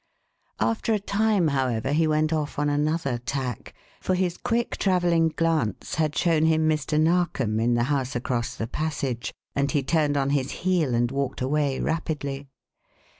After a time, however, he went off on another tack, for his quick travelling glance had shown him Mr. Narkom in the house across the passage, and he turned on his heel and walked away rapidly.